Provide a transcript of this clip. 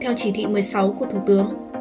theo chỉ thị một mươi sáu của thủ tướng